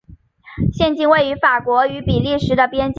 现今位于法国与比利时的边界。